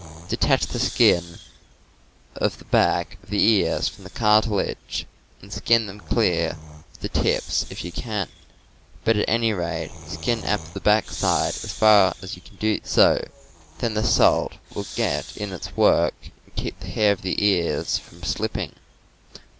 Detach the skin of the back of the ears from the carti lage, and skin them clear to the tips if you can, but at Fig. 20. How to Skin a Deer's Head. any rate skin up the back side as far as you can do so; then the salt will get in its work and keep the hair of the ears from slipping.